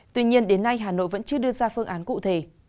tuy nhiên đến nay hà nội vẫn chưa đưa ra phương án cụ thể